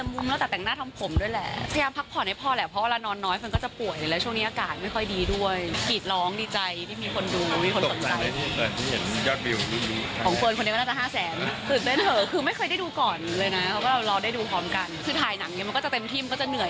คือถ่ายหนังเนี่ยมันก็จะเต็มทิมก็จะเหนื่อย